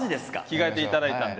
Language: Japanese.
着替えていただいたんで。